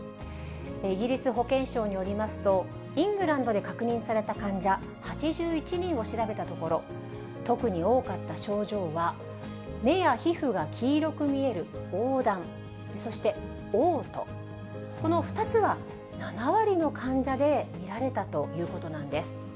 イギリス保健省によりますと、イングランドで確認された患者８１人を調べたところ、特に多かった症状は、目や皮膚が黄色く見えるおうだん、そしておう吐、この２つは７割の患者で見られたということなんです。